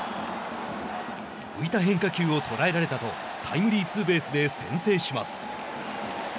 浮いた変化球を捉えられたとタイムリーツーベースで先制します。